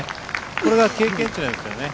これが経験値なんですよね。